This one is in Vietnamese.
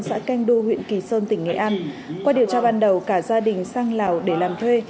xã canh du huyện kỳ sơn tỉnh nghệ an qua điều tra ban đầu cả gia đình sang lào để làm thuê